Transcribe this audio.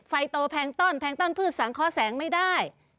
โตแพงต้อนแพงต้อนพืชสังเคาะแสงไม่ได้